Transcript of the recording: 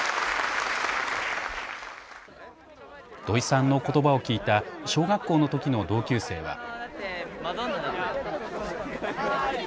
土居さんのことばを聞いた小学校のときの同級生は。